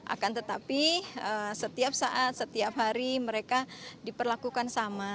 akan tetapi setiap saat setiap hari mereka diperlakukan sama